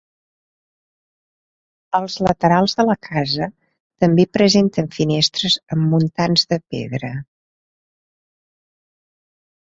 Els laterals de la casa també presenten finestres amb muntants de pedra.